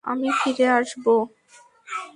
আমি ফিরে আসব!